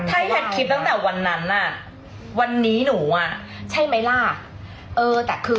ถ้าแพทย์คิดตั้งแต่วันนั้นอ่ะวันนี้หนูอ่ะใช่ไหมล่ะเออแต่คือ